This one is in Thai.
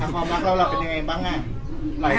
ความรักเราเราเป็นยังไงบ้าง